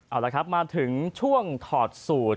เอาละครับมาถึงช่วงถอดสูตร